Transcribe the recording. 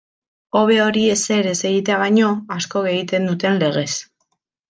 Hobe hori ezer ez egitea baino, askok egiten duten legez.